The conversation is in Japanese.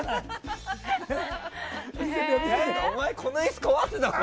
お前、この椅子壊すぞ！